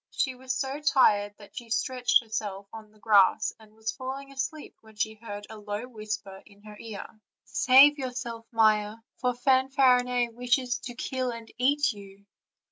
She was so tired that she stretched herself on the grass and was falling asleep when she heard a low whisper in her ear: "Save yourself, Maia, for Fanfarinet wishes to kill and eat you."